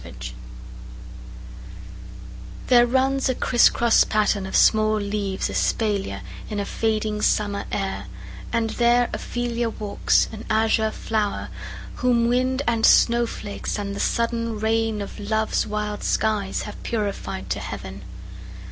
OPHELIA There runs a crisscross pattern of small leaves Espalier, in a fading summer air, And there Ophelia walks, an azure flower, Whom wind, and snowflakes, and the sudden rain Of love's wild skies have purified to heaven.